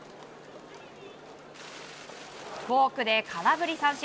フォークで空振り三振。